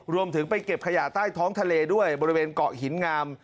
รวมถึงไปเก็บขยะใต้ท้องทะเลด้วยบริเวณเกาะหินงาม